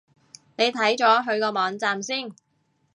你睇咗佢個網站先